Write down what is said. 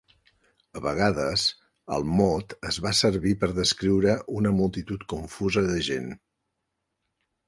A vegades el mot es va servir per descriure una multitud confusa de gent.